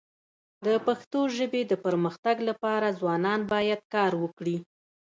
د پښتو ژبي د پرمختګ لپاره ځوانان باید کار وکړي.